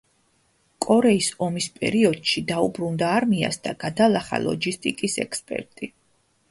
კორეის ომის პერიოდში დაუბრუნდა არმიას და გახდა ლოჯისტიკის ექსპერტი.